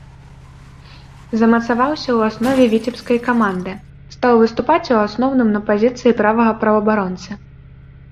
Замацаваўся ў аснове віцебскай каманды, стаў выступаць у асноўным на пазіцыі правага паўабаронцы.